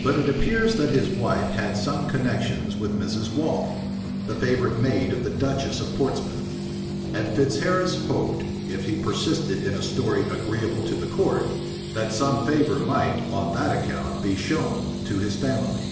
But it appears that his wife had some connections with Mrs. Wall, the favorite maid of the duchess of Portsmouth; and Fitzharris hoped, if he persisted in a story agreeable to the court, that some favor might, on that account, be shown to his family.